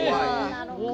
なるほど。